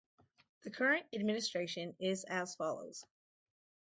The current administration is as follows.